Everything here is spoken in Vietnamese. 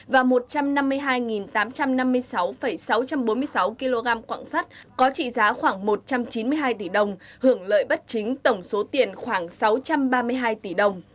và một trăm năm mươi hai tám trăm năm mươi sáu sáu trăm bốn mươi sáu kg quạng sắt có trị giá khoảng một trăm chín mươi hai tỷ đồng hưởng lợi bất chính tổng số tiền khoảng sáu trăm ba mươi hai tỷ đồng